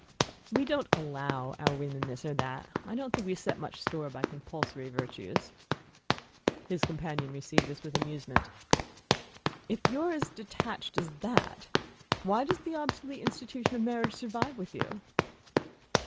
"We don't 'allow' our women this or that; I don't think we set much store by the compulsory virtues." His companion received this with amusement. "If: you're as detached as that, why does the obsolete institution of marriage survive with you?"